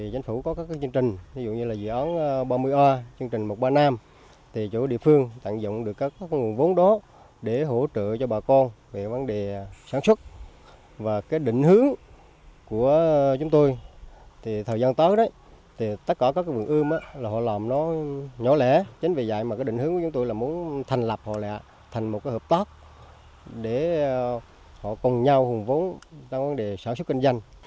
để họ cùng nhau hùng vốn trong vấn đề sản xuất cân dân